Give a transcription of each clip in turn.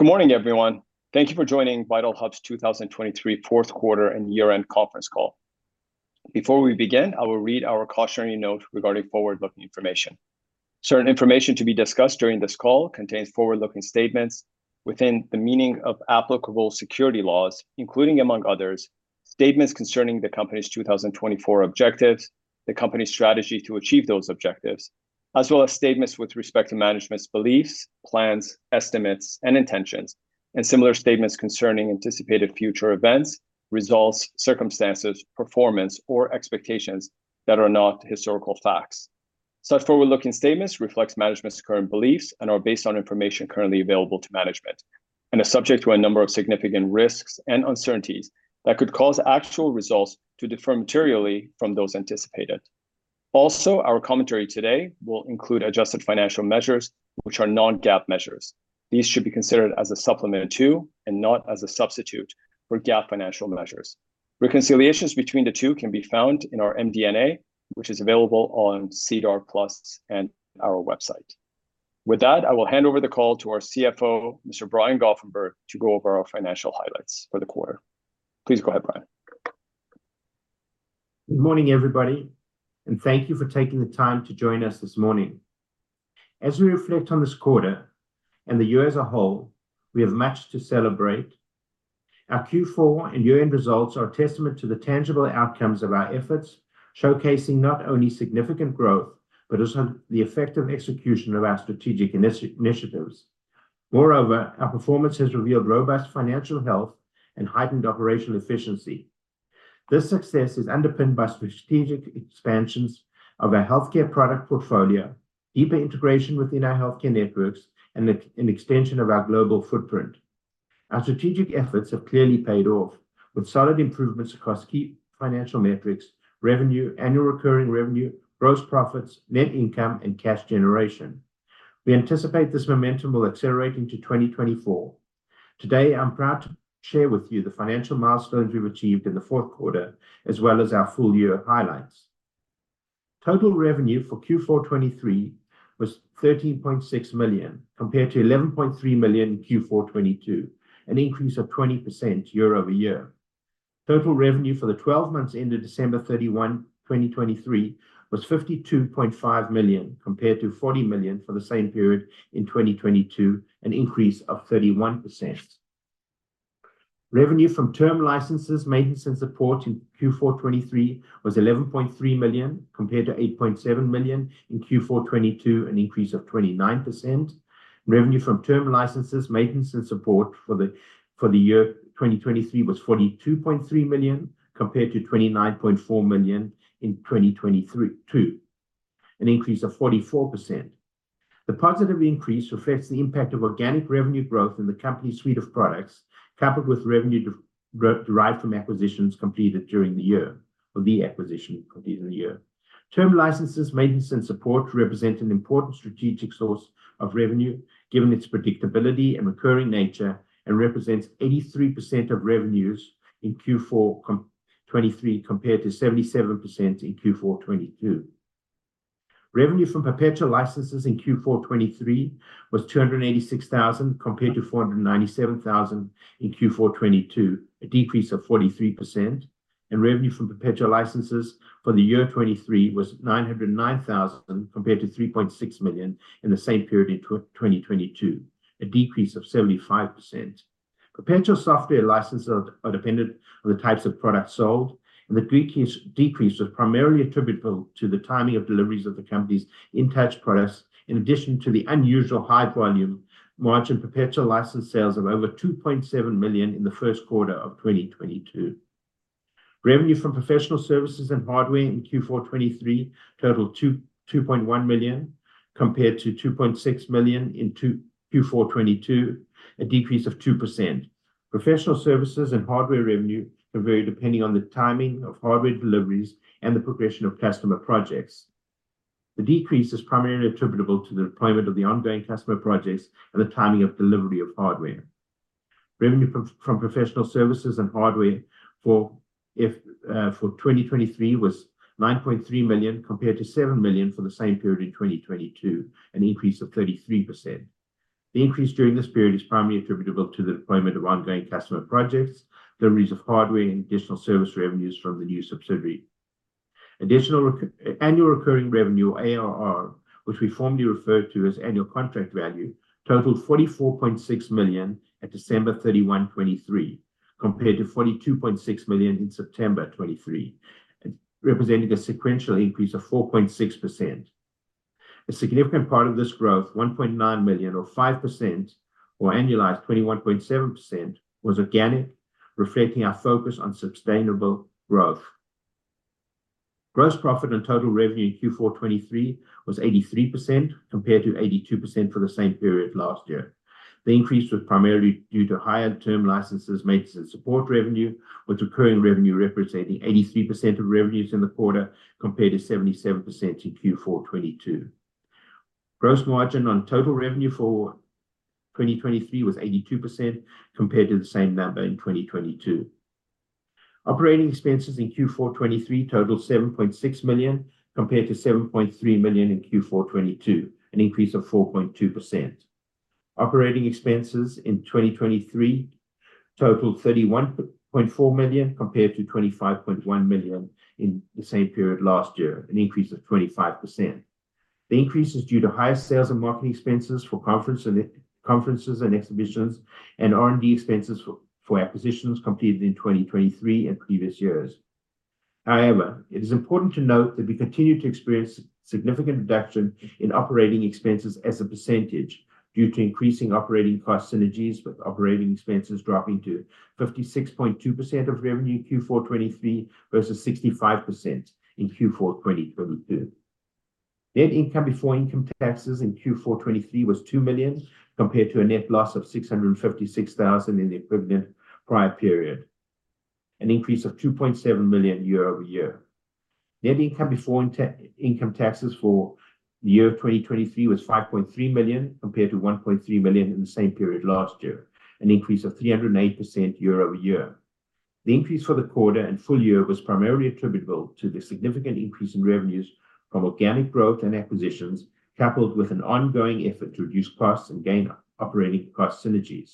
Good morning, everyone. Thank you for joining Vitalhub's 2023 fourth quarter and year-end conference call. Before we begin, I will read our cautionary note regarding forward-looking information. Certain information to be discussed during this call contains forward-looking statements within the meaning of applicable securities laws, including, among others, statements concerning the company's 2024 objectives, the company's strategy to achieve those objectives, as well as statements with respect to management's beliefs, plans, estimates, and intentions, and similar statements concerning anticipated future events, results, circumstances, performance, or expectations that are not historical facts. Such forward-looking statements reflect management's current beliefs and are based on information currently available to management, and are subject to a number of significant risks and uncertainties that could cause actual results to differ materially from those anticipated. Also, our commentary today will include adjusted financial measures, which are non-GAAP measures. These should be considered as a supplement to and not as a substitute for GAAP financial measures. Reconciliations between the two can be found in our MD&A, which is available on SEDAR+ and our website. With that, I will hand over the call to our CFO, Mr. Brian Goffenberg, to go over our financial highlights for the quarter. Please go ahead, Brian. Good morning, everybody, and thank you for taking the time to join us this morning. As we reflect on this quarter and the year as a whole, we have much to celebrate. Our Q4 and year-end results are a testament to the tangible outcomes of our efforts, showcasing not only significant growth but also the effective execution of our strategic initiatives. Moreover, our performance has revealed robust financial health and heightened operational efficiency. This success is underpinned by strategic expansions of our healthcare product portfolio, deeper integration within our healthcare networks, and an extension of our global footprint. Our strategic efforts have clearly paid off, with solid improvements across key financial metrics: revenue, annual recurring revenue, gross profits, net income, and cash generation. We anticipate this momentum will accelerate into 2024. Today, I'm proud to share with you the financial milestones we've achieved in the fourth quarter, as well as our full-year highlights. Total revenue for Q4/23 was 13.6 million, compared to 11.3 million in Q4/22, an increase of 20% year-over-year. Total revenue for the 12 months ended December 31, 2023, was 52.5 million, compared to 40 million for the same period in 2022, an increase of 31%. Revenue from term licenses, maintenance, and support in Q4/23 was 11.3 million, compared to 8.7 million in Q4/22, an increase of 29%. Revenue from term licenses, maintenance, and support for the year 2023 was 42.3 million, compared to 29.4 million in 2022, an increase of 44%. The positive increase reflects the impact of organic revenue growth in the company's suite of products, coupled with revenue derived from acquisitions completed during the year or the acquisition completed in the year. Term licenses, maintenance, and support represent an important strategic source of revenue, given its predictability and recurring nature, and represent 83% of revenues in Q4/23, compared to 77% in Q4/22. Revenue from perpetual licenses in Q4/23 was 286,000, compared to 497,000 in Q4/22, a decrease of 43%. Revenue from perpetual licenses for the year 2023 was 909,000, compared to 3.6 million in the same period in 2022, a decrease of 75%. Perpetual software licenses are dependent on the types of products sold, and the decrease was primarily attributable to the timing of deliveries of the company's Intouch products, in addition to the unusual high volume margin perpetual license sales of over 2.7 million in the first quarter of 2022. Revenue from professional services and hardware in Q4/23 totaled 2.1 million, compared to 2.6 million in Q4/22, a decrease of 2%. Professional services and hardware revenue can vary depending on the timing of hardware deliveries and the progression of customer projects. The decrease is primarily attributable to the deployment of the ongoing customer projects and the timing of delivery of hardware. Revenue from professional services and hardware for 2023 was 9.3 million, compared to 7 million for the same period in 2022, an increase of 33%. The increase during this period is primarily attributable to the deployment of ongoing customer projects, deliveries of hardware, and additional service revenues from the new subsidiary. Additional annual recurring revenue, or ARR, which we formally refer to as annual contract value, totaled 44.6 million at December 31, 2023, compared to 42.6 million in September 2023, representing a sequential increase of 4.6%. A significant part of this growth, 1.9 million or 5%, or annualized 21.7%, was organic, reflecting our focus on sustainable growth. Gross profit on total revenue in Q4/23 was 83%, compared to 82% for the same period last year. The increase was primarily due to higher term licenses, maintenance, and support revenue, with recurring revenue representing 83% of revenues in the quarter, compared to 77% in Q4/22. Gross margin on total revenue for 2023 was 82%, compared to the same number in 2022. Operating expenses in Q4/23 totaled 7.6 million, compared to 7.3 million in Q4/22, an increase of 4.2%. Operating expenses in 2023 totaled 31.4 million, compared to 25.1 million in the same period last year, an increase of 25%. The increase is due to higher sales and marketing expenses for conferences and exhibitions, and R&D expenses for acquisitions completed in 2023 and previous years. However, it is important to note that we continue to experience significant reduction in operating expenses as a percentage due to increasing operating cost synergies, with operating expenses dropping to 56.2% of revenue in Q4/2023 versus 65% in Q4/2022. Net income before income taxes in Q4/2023 was 2 million, compared to a net loss of 656,000 in the equivalent prior period, an increase of 2.7 million year-over-year. Net income before income taxes for the year 2023 was 5.3 million, compared to 1.3 million in the same period last year, an increase of 308% year-over-year. The increase for the quarter and full year was primarily attributable to the significant increase in revenues from organic growth and acquisitions, coupled with an ongoing effort to reduce costs and gain operating cost synergies.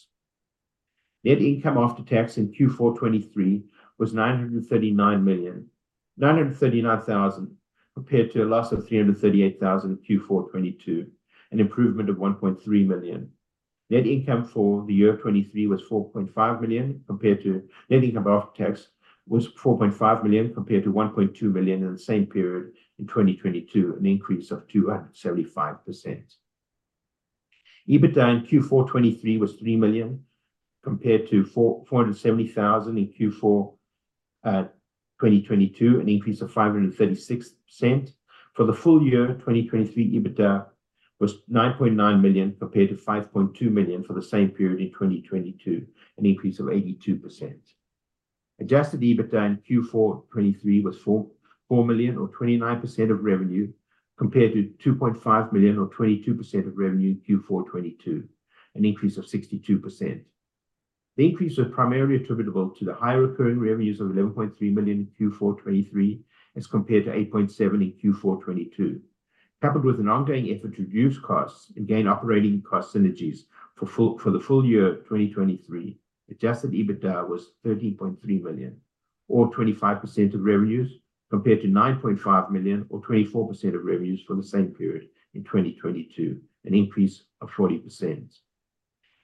Net income after tax in Q4/23 was 939,000, compared to a loss of 338,000 in Q4/22, an improvement of 1.3 million. Net income for the year 2023 was 4.5 million, compared to net income after tax was 4.5 million, compared to 1.2 million in the same period in 2022, an increase of 275%. EBITDA in Q4/23 was 3 million, compared to 470,000 in Q4/2022, an increase of 536%. For the full year 2023, EBITDA was 9.9 million, compared to 5.2 million for the same period in 2022, an increase of 82%. Adjusted EBITDA in Q4/23 was 4 million, or 29% of revenue, compared to 2.5 million, or 22% of revenue in Q4/22, an increase of 62%. The increase was primarily attributable to the higher recurring revenues of 11.3 million in Q4/23 as compared to 8.7 million in Q4/22. Coupled with an ongoing effort to reduce costs and gain operating cost synergies for the full year 2023, adjusted EBITDA was 13.3 million, or 25% of revenues, compared to 9.5 million, or 24% of revenues for the same period in 2022, an increase of 40%.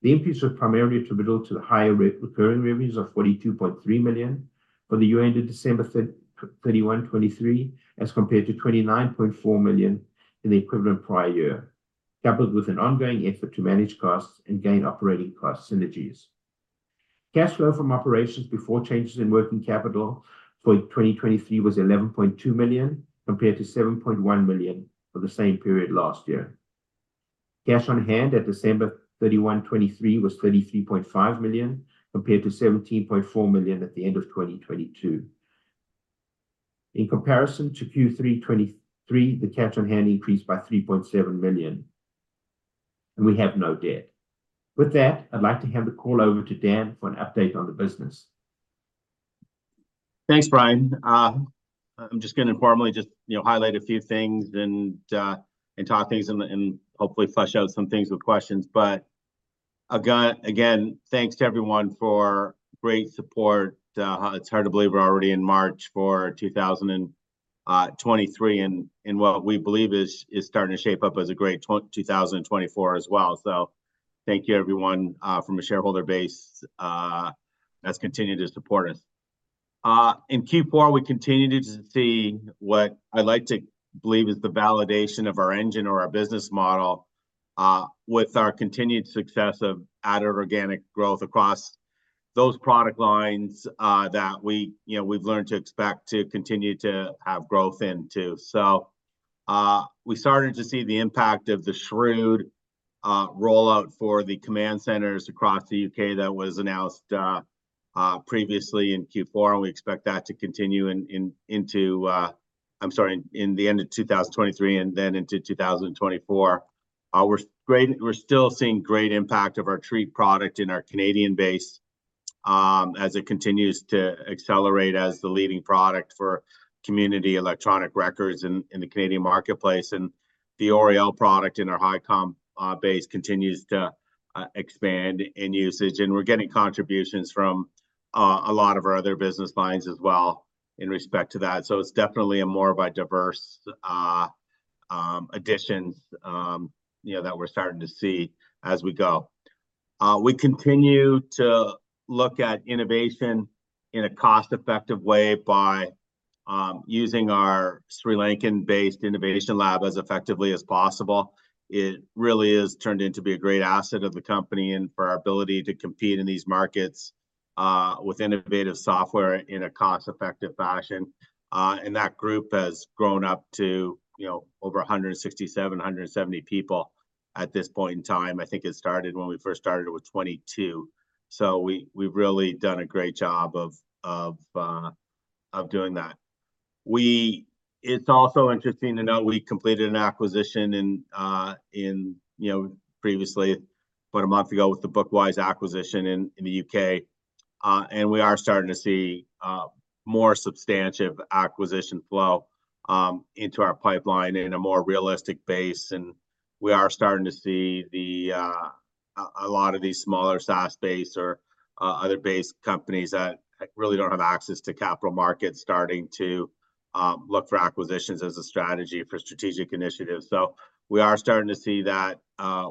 The increase was primarily attributable to the higher recurring revenues of 42.3 million for the year ended December 31, 2023, as compared to 29.4 million in the equivalent prior year, coupled with an ongoing effort to manage costs and gain operating cost synergies. Cash flow from operations before changes in working capital for 2023 was 11.2 million, compared to 7.1 million for the same period last year. Cash on hand at December 31, 2023, was 33.5 million, compared to 17.4 million at the end of 2022. In comparison to Q3/23, the cash on hand increased by 3.7 million, and we have no debt. With that, I'd like to hand the call over to Dan for an update on the business. Thanks, Brian. I'm just going to informally just highlight a few things and talk things and hopefully flesh out some things with questions. But again, thanks to everyone for great support. It's hard to believe we're already in March for 2023 and what we believe is starting to shape up as a great 2024 as well. So thank you, everyone, from a shareholder base that's continued to support us. In Q4, we continue to see what I'd like to believe is the validation of our engine or our business model with our continued success of added organic growth across those product lines that we've learned to expect to continue to have growth into. So we started to see the impact of the SHREWD rollout for the command centres across the U.K. that was announced previously in Q4, and we expect that to continue into, I'm sorry, in the end of 2023 and then into 2024. We're still seeing great impact of our TREAT product in our Canadian base as it continues to accelerate as the leading product for community electronic records in the Canadian marketplace. The Oriel product in our Hicom base continues to expand in usage, and we're getting contributions from a lot of our other business lines as well in respect to that. It's definitely more of a diverse addition that we're starting to see as we go. We continue to look at innovation in a cost-effective way by using our Sri Lankan-based innovation lab as effectively as possible. It really has turned into be a great asset of the company and for our ability to compete in these markets with innovative software in a cost-effective fashion. That group has grown up to over 167-170 people at this point in time. I think it started when we first started with 22. We've really done a great job of doing that. It's also interesting to know we completed an acquisition previously, about a month ago, with the Bookwise acquisition in the UK. We are starting to see more substantial acquisition flow into our pipeline in a more realistic base. We are starting to see a lot of these smaller SaaS-based or other-based companies that really don't have access to capital markets starting to look for acquisitions as a strategy for strategic initiatives. We are starting to see that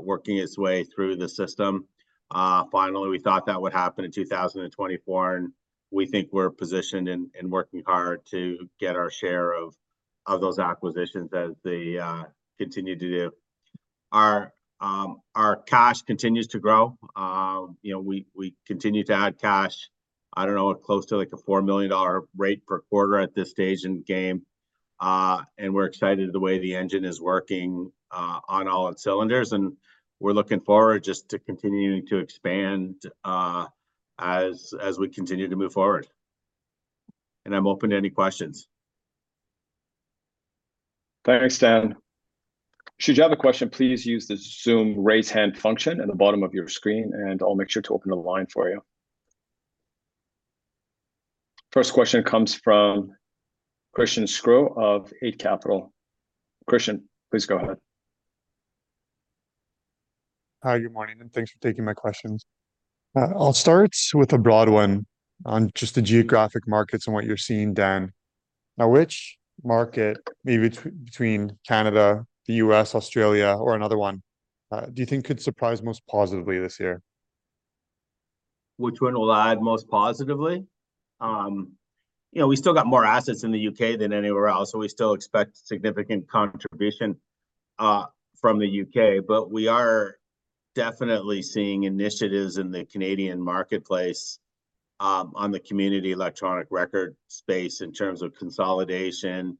working its way through the system. Finally, we thought that would happen in 2024, and we think we're positioned and working hard to get our share of those acquisitions as they continue to do. Our cash continues to grow. We continue to add cash. I don't know, close to a 4 million dollar rate per quarter at this stage in game. We're excited the way the engine is working on all its cylinders. We're looking forward just to continuing to expand as we continue to move forward. I'm open to any questions. Thanks, Dan. Should you have a question, please use the Zoom raise hand function at the bottom of your screen, and I'll make sure to open the line for you. First question comes from Christian Sgro of Eight Capital. Christian, please go ahead. Hi. Good morning. Thanks for taking my questions. I'll start with a broad one on just the geographic markets and what you're seeing, Dan. Now, which market, maybe between Canada, the U.S., Australia, or another one, do you think could surprise most positively this year? Which one will add most positively? We still got more assets in the UK than anywhere else, so we still expect significant contribution from the UK. But we are definitely seeing initiatives in the Canadian marketplace on the community electronic record space in terms of consolidation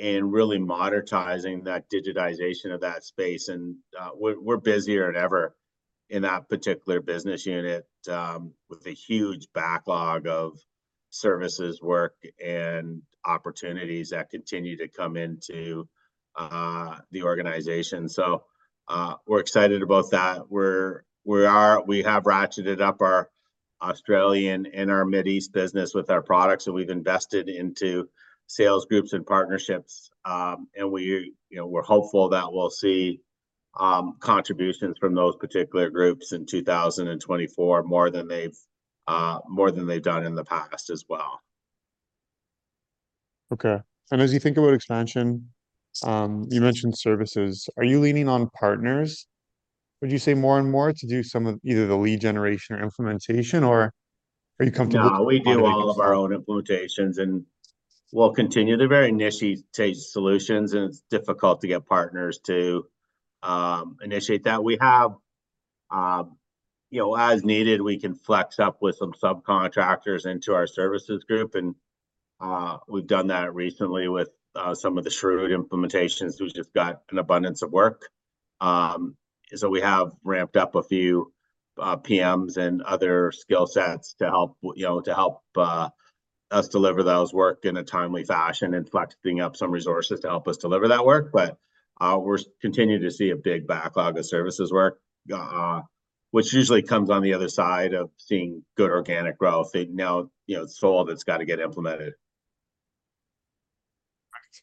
and really modernizing that digitization of that space. And we're busier than ever in that particular business unit with a huge backlog of services, work, and opportunities that continue to come into the organization. So we're excited about that. We have ratcheted up our Australian and our Middle East business with our products. And we've invested into sales groups and partnerships. And we're hopeful that we'll see contributions from those particular groups in 2024 more than they've more than they've done in the past as well. Okay. As you think about expansion, you mentioned services. Are you leaning on partners, would you say, more and more to do some of either the lead generation or implementation, or are you comfortable? No, we do all of our own implementations. We'll continue the very niche triage solutions, and it's difficult to get partners to initiate that. As needed, we can flex up with some subcontractors into our services group. We've done that recently with some of the SHREWD implementations. We've just got an abundance of work. We have ramped up a few PMs and other skill sets to help us deliver those work in a timely fashion and flexing up some resources to help us deliver that work. But we continue to see a big backlog of services work, which usually comes on the other side of seeing good organic growth. Now, it's all that's got to get implemented.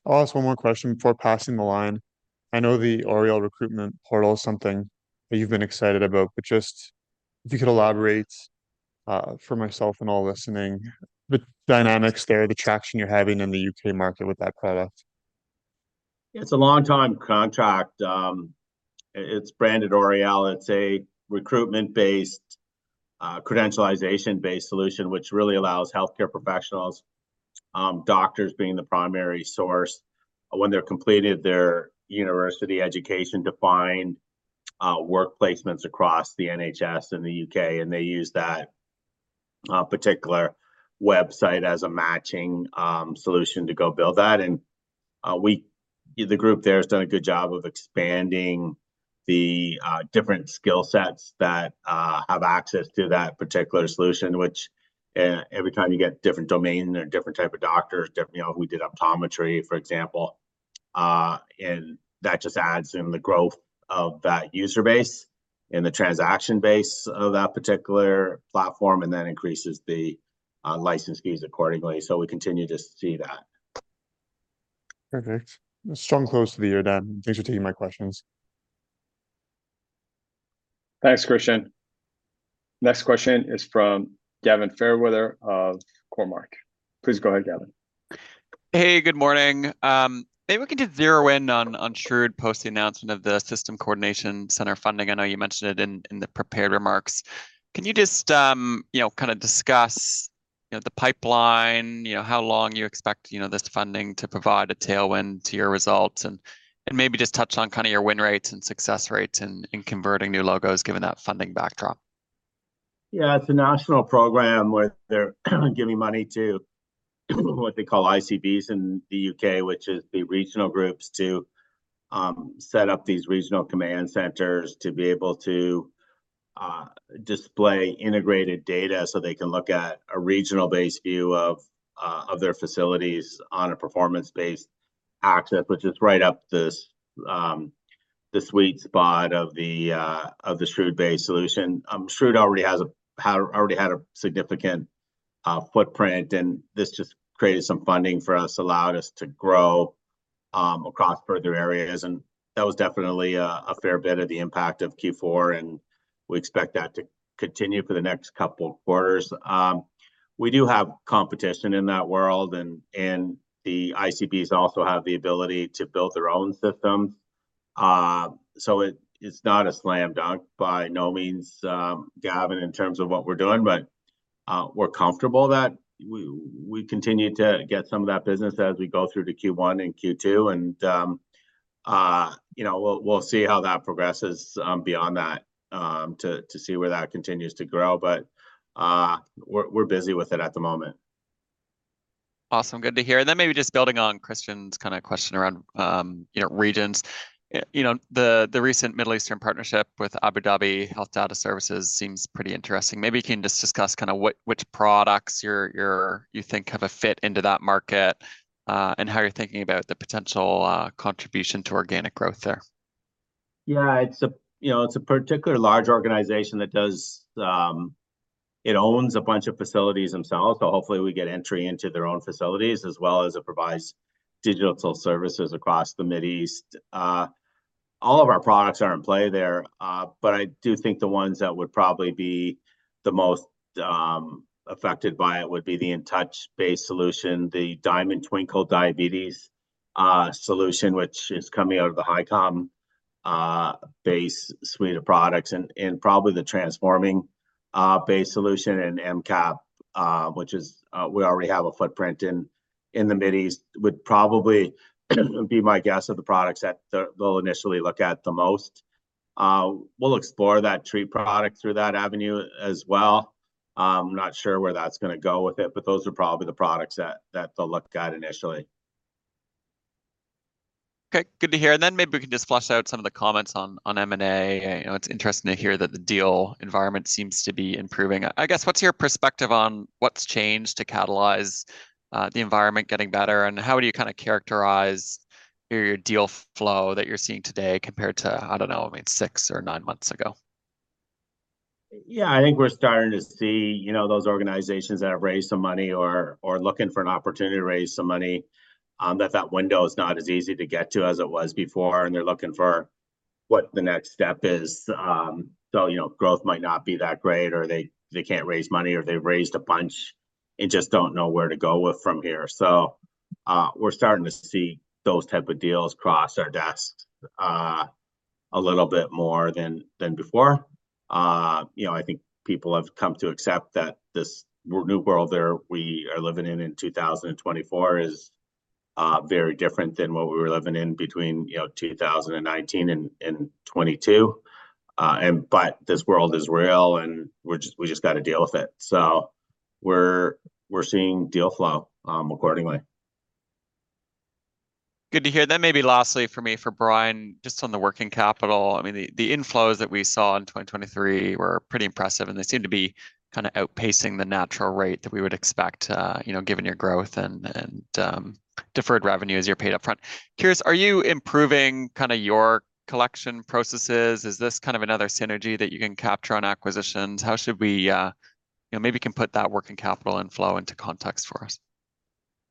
I'll ask one more question before passing the line. I know the Oriel recruitment portal is something that you've been excited about, but just if you could elaborate for myself and all listening, the dynamics there, the traction you're having in the UK market with that product? Yeah, it's a long-term contract. It's branded Oriel. It's a recruitment-based, credentialization-based solution, which really allows healthcare professionals, doctors being the primary source, when they're completing their university education to find work placements across the NHS in the UK. They use that particular website as a matching solution to go build that. The group there has done a good job of expanding the different skill sets that have access to that particular solution, which every time you get a different domain or a different type of doctors, we did optometry, for example. That just adds in the growth of that user base and the transaction base of that particular platform and then increases the license fees accordingly. So we continue to see that. Perfect. Strong close to the year, Dan. Thanks for taking my questions. Thanks, Christian. Next question is from Gavin Fairweather of Cormark. Please go ahead, Gavin. Hey, good morning. Maybe we can just zero in on SHREWD post the announcement of the System Coordination Centre funding. I know you mentioned it in the prepared remarks. Can you just kind of discuss the pipeline, how long you expect this funding to provide a tailwind to your results, and maybe just touch on kind of your win rates and success rates in converting new logos given that funding backdrop? Yeah, it's a national program where they're giving money to what they call ICBs in the UK, which is the regional groups, to set up these regional command centres to be able to display integrated data so they can look at a regional-based view of their facilities on a performance-based access, which is right up the sweet spot of the SHREWD-based solution. SHREWD already had a significant footprint, and this just created some funding for us, allowed us to grow across further areas. And that was definitely a fair bit of the impact of Q4, and we expect that to continue for the next couple of quarters. We do have competition in that world, and the ICBs also have the ability to build their own systems. So it's not a slam dunk by no means, Gavin, in terms of what we're doing. But we're comfortable that we continue to get some of that business as we go through to Q1 and Q2. And we'll see how that progresses beyond that to see where that continues to grow. But we're busy with it at the moment. Awesome. Good to hear. And then maybe just building on Christian's kind of question around regions, the recent Middle Eastern partnership with Abu Dhabi Health Data Services seems pretty interesting. Maybe you can just discuss kind of which products you think have a fit into that market and how you're thinking about the potential contribution to organic growth there. Yeah, it's a particularly large organization that does, it owns a bunch of facilities themselves. So hopefully, we get entry into their own facilities as well as it provides digital services across the Middle East. All of our products are in play there. But I do think the ones that would probably be the most affected by it would be the Intouch-based solution, the Diamond Twinkle Diabetes solution, which is coming out of the Hicom-based suite of products, and probably the Transforming-based solution and MCAP, which, we already have a footprint in the Middle East, would probably be my guess of the products that they'll initially look at the most. We'll explore that TREAT product through that avenue as well. I'm not sure where that's going to go with it, but those are probably the products that they'll look at initially. Okay. Good to hear. And then maybe we can just flesh out some of the comments on M&A. It's interesting to hear that the deal environment seems to be improving. I guess, what's your perspective on what's changed to catalyze the environment getting better? And how would you kind of characterize your deal flow that you're seeing today compared to, I don't know, I mean, six or nine months ago? Yeah, I think we're starting to see those organizations that have raised some money or are looking for an opportunity to raise some money that that window is not as easy to get to as it was before. And they're looking for what the next step is. So growth might not be that great, or they can't raise money, or they've raised a bunch and just don't know where to go from here. So we're starting to see those type of deals cross our desks a little bit more than before. I think people have come to accept that this new world that we are living in in 2024 is very different than what we were living in between 2019 and 2022. But this world is real, and we just got to deal with it. So we're seeing deal flow accordingly. Good to hear. Then maybe lastly for me, for Brian, just on the working capital, I mean, the inflows that we saw in 2023 were pretty impressive, and they seem to be kind of outpacing the natural rate that we would expect given your growth and deferred revenues you're paid upfront. Curious, are you improving kind of your collection processes? Is this kind of another synergy that you can capture on acquisitions? How should we maybe you can put that working capital inflow into context for us?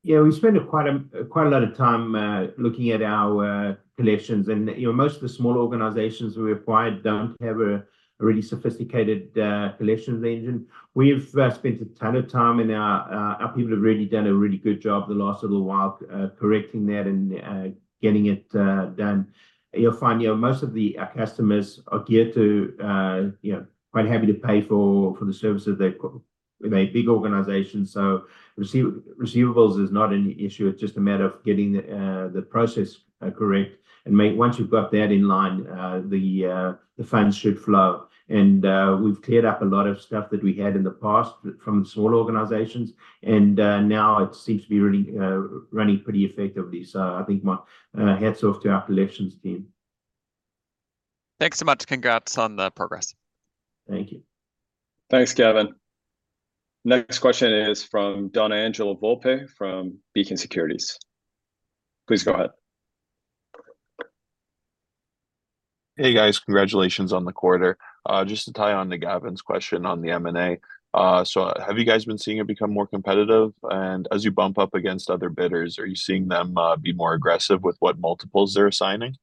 Yeah, we spend quite a lot of time looking at our collections. Most of the small organizations we acquired don't have a really sophisticated collections engine. We've spent a ton of time, and our people have really done a really good job the last little while correcting that and getting it done. You'll find most of our customers are geared to quite happy to pay for the services they've got. They're big organizations. So receivables is not an issue. It's just a matter of getting the process correct. Once you've got that in line, the funds should flow. We've cleared up a lot of stuff that we had in the past from the small organizations. Now it seems to be running pretty effectively. So I think hats off to our collections team. Thanks so much. Congrats on the progress. Thank you. Thanks, Gavin. Next question is from Gabriel Leung from Beacon Securities. Please go ahead. Hey, guys. Congratulations on the quarter. Just to tie on to Gavin's question on the M&A, so have you guys been seeing it become more competitive? And as you bump up against other bidders, are you seeing them be more aggressive with what multiples they're assigning?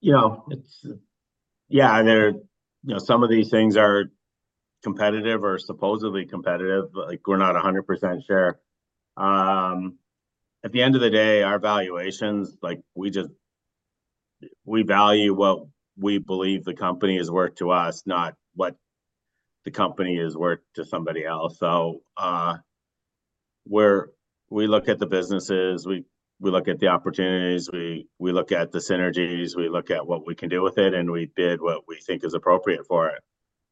Yeah, some of these things are competitive or supposedly competitive. We're not 100% sure. At the end of the day, our valuations, we value what we believe the company is worth to us, not what the company is worth to somebody else. So we look at the businesses. We look at the opportunities. We look at the synergies. We look at what we can do with it, and we bid what we think is appropriate for it.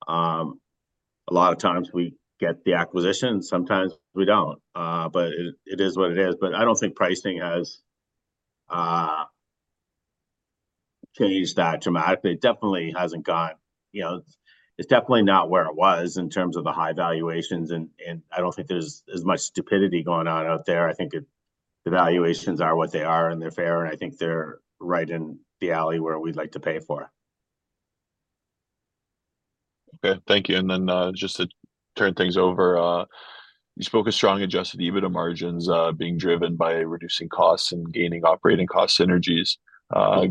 A lot of times, we get the acquisition. Sometimes, we don't. But it is what it is. But I don't think pricing has changed that dramatically. It definitely hasn't gone. It's definitely not where it was in terms of the high valuations. And I don't think there's as much stupidity going on out there. I think the valuations are what they are, and they're fair. I think they're right in the alley where we'd like to pay for it. Okay. Thank you. And then just to turn things over, you spoke of strong Adjusted EBITDA margins being driven by reducing costs and gaining operating cost synergies.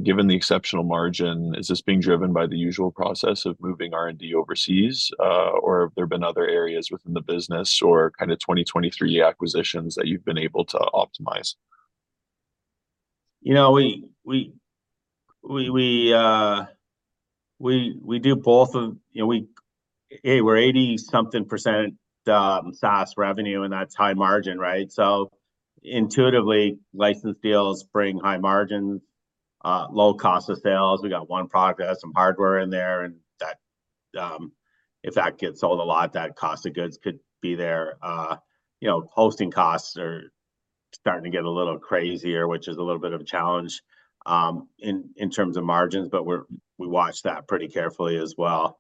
Given the exceptional margin, is this being driven by the usual process of moving R&D overseas, or have there been other areas within the business or kind of 2023 acquisitions that you've been able to optimize? We do both. Hey, we're 80-something% SaaS revenue, and that's high margin, right? So intuitively, licensed deals bring high margins, low cost of sales. We got one product that has some hardware in there. And if that gets sold a lot, that cost of goods could be there. Hosting costs are starting to get a little crazier, which is a little bit of a challenge in terms of margins. But we watch that pretty carefully as well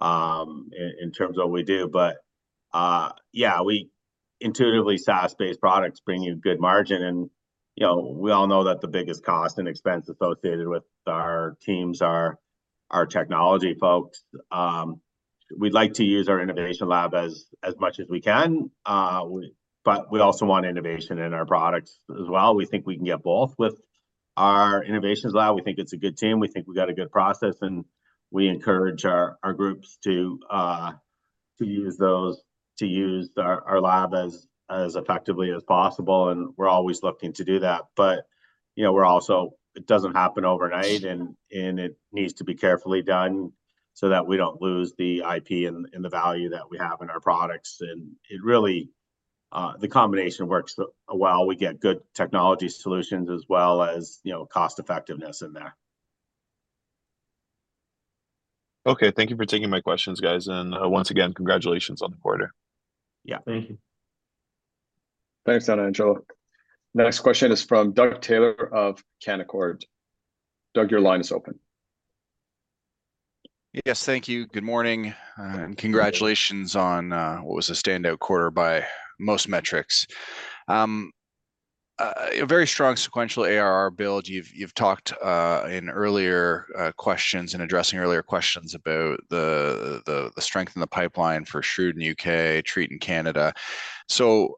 in terms of what we do. But yeah, intuitively, SaaS-based products bring you good margin. And we all know that the biggest cost and expense associated with our teams are our technology folks. We'd like to use our innovation lab as much as we can, but we also want innovation in our products as well. We think we can get both with our innovations lab. We think it's a good team. We think we got a good process. We encourage our groups to use those to use our lab as effectively as possible. We're always looking to do that. But it doesn't happen overnight, and it needs to be carefully done so that we don't lose the IP and the value that we have in our products. The combination works well. We get good technology solutions as well as cost-effectiveness in there. Okay. Thank you for taking my questions, guys. Once again, congratulations on the quarter. Yeah. Thank you. Thanks, Donangelo. Next question is from Doug Taylor of Canaccord. Doug, your line is open. Yes. Thank you. Good morning. Congratulations on what was a standout quarter by most metrics. A very strong sequential ARR build. You've talked in earlier questions and addressing earlier questions about the strength in the pipeline for SHREWD in the UK, TREAT in Canada. So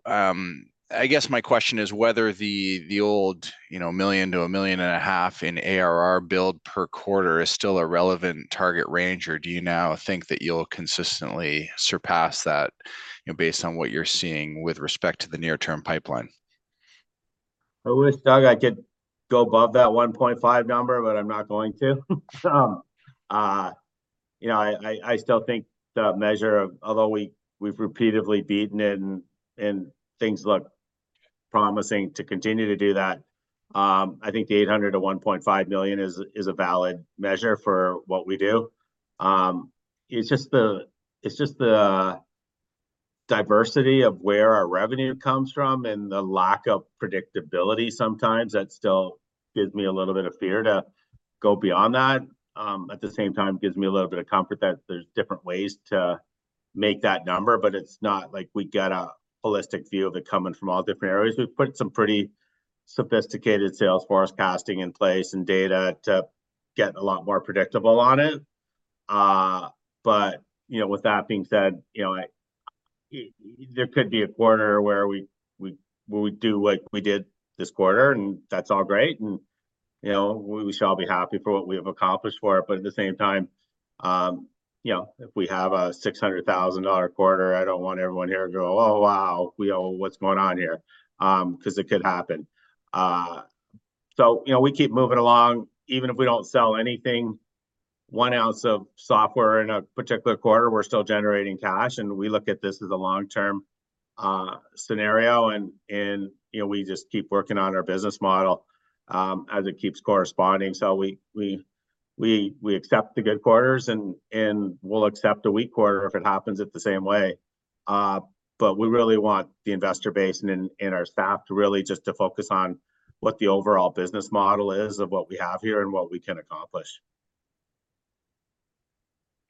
I guess my question is whether the old 1 million-1.5 million in ARR build per quarter is still a relevant target range, or do you now think that you'll consistently surpass that based on what you're seeing with respect to the near-term pipeline? I wish, Doug, I could go above that 1.5 million number, but I'm not going to. I still think the measure, although we've repeatedly beaten it and things look promising to continue to do that, I think the 800,000-1.5 million is a valid measure for what we do. It's just the diversity of where our revenue comes from and the lack of predictability sometimes that still gives me a little bit of fear to go beyond that. At the same time, it gives me a little bit of comfort that there's different ways to make that number. But it's not like we got a holistic view of it coming from all different areas. We've put some pretty sophisticated sales forecasting in place and data to get a lot more predictable on it. But with that being said, there could be a quarter where we do what we did this quarter, and that's all great. And we shall be happy for what we have accomplished for it. But at the same time, if we have a 600,000 dollar quarter, I don't want everyone here to go, "Oh, wow. What's going on here?" because it could happen. So we keep moving along. Even if we don't sell anything, one ounce of software in a particular quarter, we're still generating cash. And we look at this as a long-term scenario, and we just keep working on our business model as it keeps corresponding. So we accept the good quarters, and we'll accept a weak quarter if it happens the same way. But we really want the investor base and our staff to really just focus on what the overall business model is of what we have here and what we can accomplish.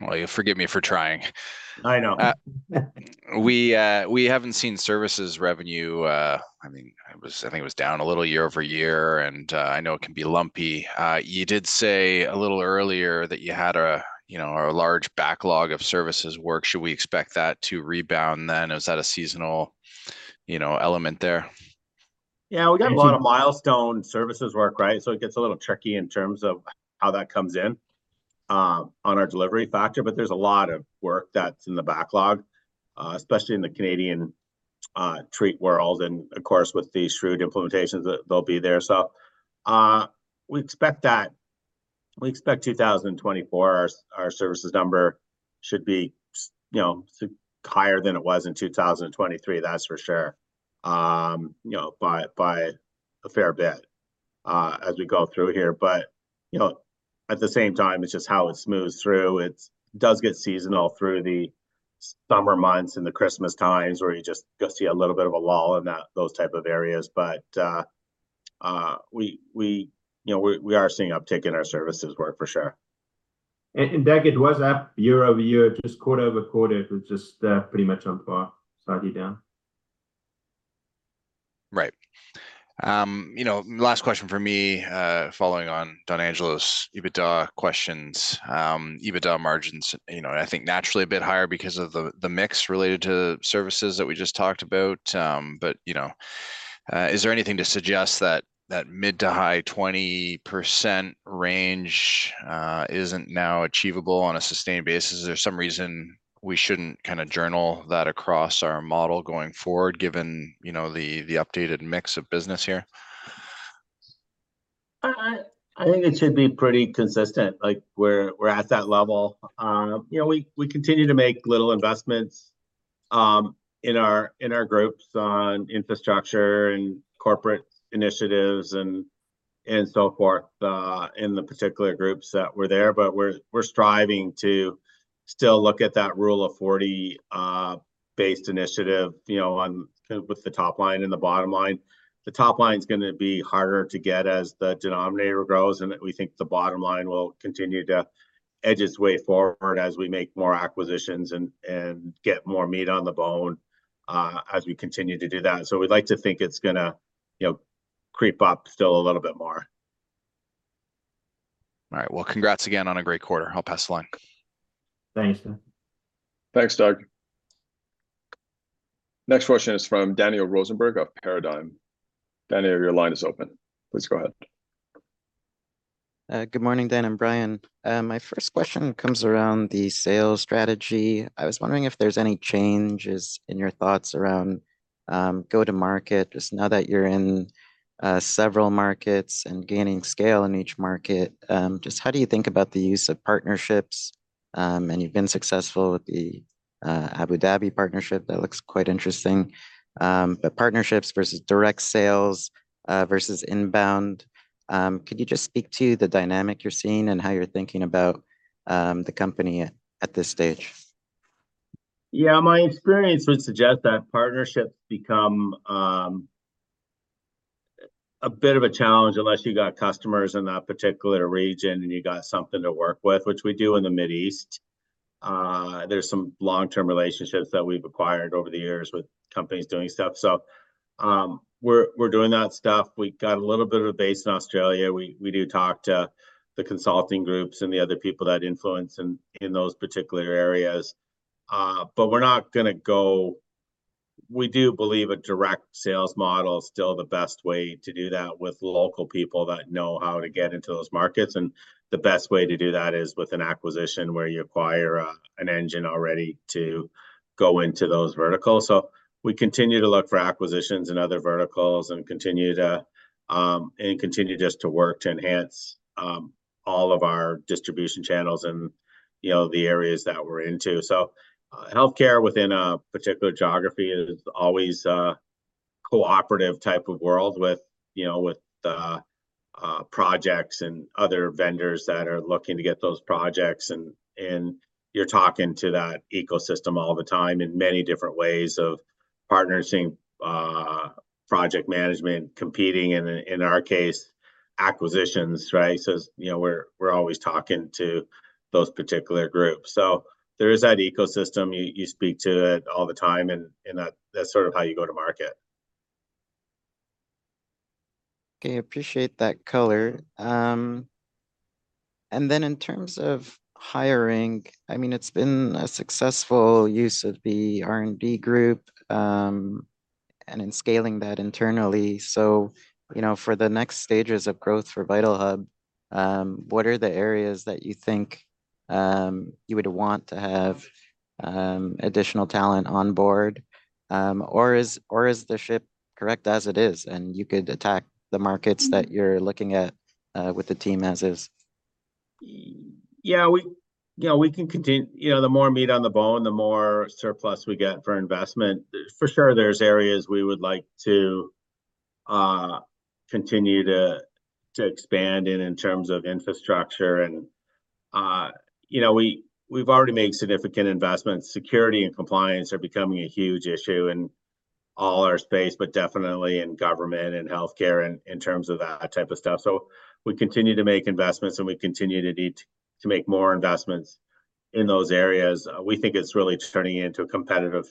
Well, you forgive me for trying. I know. We haven't seen services revenue. I mean, I think it was down a little year-over-year, and I know it can be lumpy. You did say a little earlier that you had a large backlog of services work. Should we expect that to rebound then? Was that a seasonal element there? Yeah, we got a lot of milestone services work, right? So it gets a little tricky in terms of how that comes in on our delivery factor. But there's a lot of work that's in the backlog, especially in the Canadian TREAT world and, of course, with the SHREWD implementations that they'll be there. So we expect 2024, our services number should be higher than it was in 2023, that's for sure, by a fair bit as we go through here. But at the same time, it's just how it smooths through. It does get seasonal through the summer months and the Christmas times where you just go see a little bit of a lull in those type of areas. But we are seeing uptick in our services work, for sure. Doug, it was up year-over-year. Just quarter-over-quarter, it was just pretty much on par, slightly down. Right. Last question for me following on Donangelo's EBITDA questions. EBITDA margins, I think, naturally a bit higher because of the mix related to services that we just talked about. But is there anything to suggest that mid- to high-20% range isn't now achievable on a sustained basis? Is there some reason we shouldn't kind of journal that across our model going forward given the updated mix of business here? I think it should be pretty consistent. We're at that level. We continue to make little investments in our groups on infrastructure and corporate initiatives and so forth in the particular groups that were there. But we're striving to still look at that Rule of 40-based initiative with the top line and the bottom line. The top line is going to be harder to get as the denominator grows, and we think the bottom line will continue to edge its way forward as we make more acquisitions and get more meat on the bone as we continue to do that. So we'd like to think it's going to creep up still a little bit more. All right. Well, congrats again on a great quarter. I'll pass the line. Thanks, Dan. Thanks, Doug. Next question is from Daniel Rosenberg of Paradigm. Daniel, your line is open. Please go ahead. Good morning, Dan and Brian. My first question comes around the sales strategy. I was wondering if there's any changes in your thoughts around go-to-market. Just now that you're in several markets and gaining scale in each market, just how do you think about the use of partnerships? And you've been successful with the Abu Dhabi partnership. That looks quite interesting. But partnerships versus direct sales versus inbound, could you just speak to the dynamic you're seeing and how you're thinking about the company at this stage? Yeah. My experience would suggest that partnerships become a bit of a challenge unless you got customers in that particular region and you got something to work with, which we do in the Middle East. There's some long-term relationships that we've acquired over the years with companies doing stuff. So we're doing that stuff. We got a little bit of a base in Australia. We do talk to the consulting groups and the other people that influence in those particular areas. But we're not going to go. We do believe a direct sales model is still the best way to do that with local people that know how to get into those markets. And the best way to do that is with an acquisition where you acquire an engine already to go into those verticals. So we continue to look for acquisitions in other verticals and continue just to work to enhance all of our distribution channels and the areas that we're into. So healthcare within a particular geography is always a cooperative type of world with projects and other vendors that are looking to get those projects. And you're talking to that ecosystem all the time in many different ways of partnerships, project management, competing, and in our case, acquisitions, right? So we're always talking to those particular groups. So there is that ecosystem. You speak to it all the time, and that's sort of how you go to market. Okay. Appreciate that color. And then in terms of hiring, I mean, it's been a successful use of the R&D group and in scaling that internally. So for the next stages of growth for Vitalhub, what are the areas that you think you would want to have additional talent onboard? Or is the ship correct as it is, and you could attack the markets that you're looking at with the team as is? Yeah. We can continue. The more meat on the bone, the more surplus we get for investment. For sure, there's areas we would like to continue to expand in in terms of infrastructure. We've already made significant investments. Security and compliance are becoming a huge issue in all our space, but definitely in government and healthcare in terms of that type of stuff. So we continue to make investments, and we continue to need to make more investments in those areas. We think it's really turning into a competitive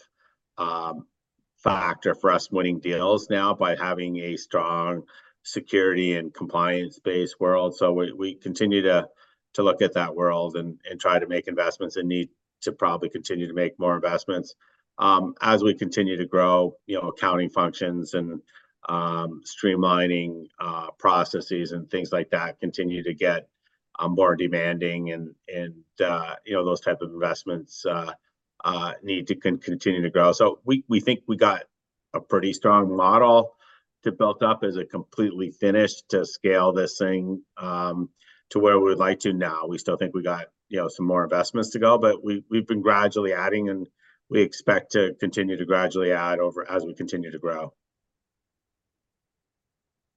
factor for us winning deals now by having a strong security and compliance-based world. So we continue to look at that world and try to make investments and need to probably continue to make more investments. As we continue to grow, accounting functions and streamlining processes and things like that continue to get more demanding, and those type of investments need to continue to grow. So we think we got a pretty strong model to build up. Is it completely finished to scale this thing to where we would like to now? We still think we got some more investments to go, but we've been gradually adding, and we expect to continue to gradually add as we continue to grow.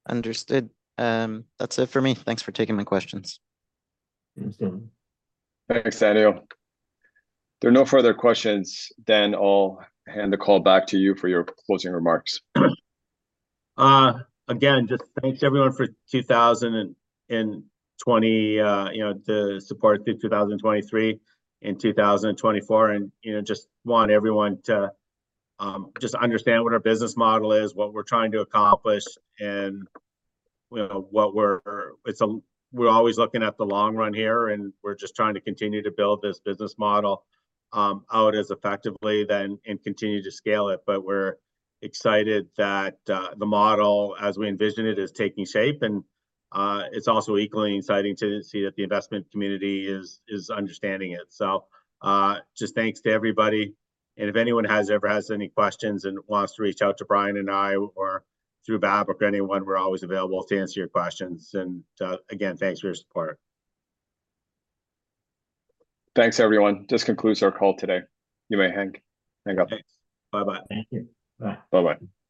Understood. That's it for me. Thanks for taking my questions. Thanks, Daniel. Thanks, Daniel. If there are no further questions, then I'll hand the call back to you for your closing remarks. Again, just thanks, everyone, for 2020, the support through 2023 and 2024. Just want everyone to just understand what our business model is, what we're trying to accomplish, and what we're always looking at the long run here, and we're just trying to continue to build this business model out as effectively then and continue to scale it. But we're excited that the model, as we envision it, is taking shape. And it's also equally exciting to see that the investment community is understanding it. So just thanks to everybody. And if anyone ever has any questions and wants to reach out to Brian and I or through Babak or anyone, we're always available to answer your questions. And again, thanks for your support. Thanks, everyone. This concludes our call today. You may hang up. Thanks. Bye-bye. Thank you. Bye. Bye-bye.